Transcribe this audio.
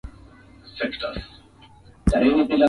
Hicho kidude bado kinaimba